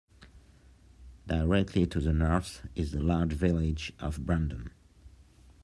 Directly to the north is the large village of Brandon.